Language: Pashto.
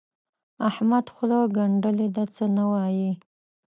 احمد خوله ګنډلې ده؛ څه نه وايي.